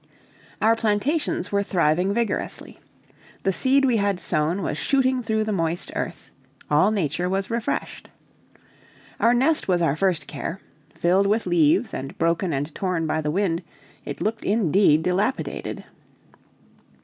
Our plantations were thriving vigorously. The seed we had sown was shooting through the moist earth. All nature was refreshed. Our nest was our first care; filled with leaves and broken and torn by the wind, it looked indeed dilapidated.